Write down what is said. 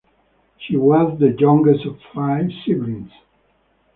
She was the youngest of five siblings.